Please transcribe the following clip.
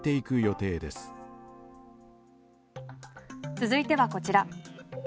続いてはこちら。